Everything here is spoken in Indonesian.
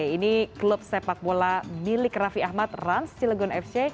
ini klub sepak bola milik raffi ahmad rans cilegon fc